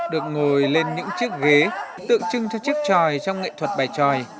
được ngồi lên những chiếc ghế tượng trưng cho chiếc tròi trong nghệ thuật bài tròi